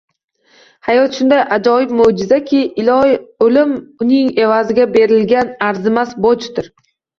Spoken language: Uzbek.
Hayot shunday ajoyib mo``jizaki, o`lim uning evaziga berilgan arzimas bojdir